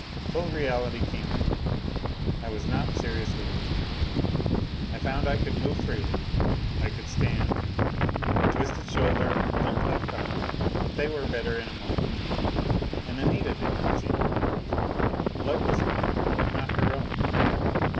Full reality came to me. I was not seriously injured. I found I could move freely. I could stand. A twisted shoulder, a limp left arm, but they were better in a moment. And Anita did not seem to be hurt. Blood was upon her. But not her own.